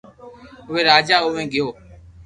اووي راجا آوي گيو